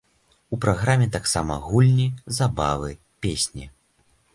У праграме таксама гульні, забавы, песні.